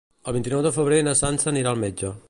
El vint-i-nou de febrer na Sança anirà al metge.